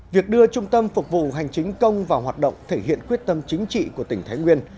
việc đưa trung tâm phục vụ hành chính công vào hoạt động thể hiện quyết tâm chính trị của tỉnh thái nguyên